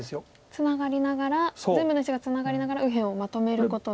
ツナがりながら全部の石がツナがりながら右辺をまとめることが。